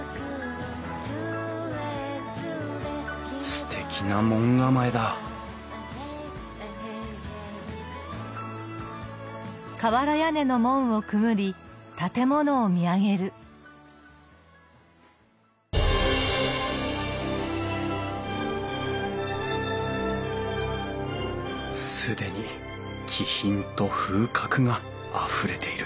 すてきな門構えだ既に気品と風格があふれている。